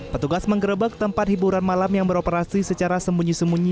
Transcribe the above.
petugas menggerebek tempat hiburan malam yang beroperasi secara sembunyi sembunyi